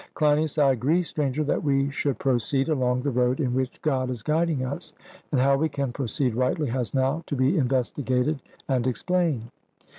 CLEINIAS: I agree, Stranger, that we should proceed along the road in which God is guiding us; and how we can proceed rightly has now to be investigated and explained.